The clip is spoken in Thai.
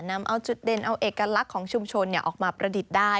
นำเอาจุดเด่นเอาเอกลักษณ์ของชุมชนออกมาประดิษฐ์ได้